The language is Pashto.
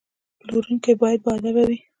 پلورونکی باید باادبه وي.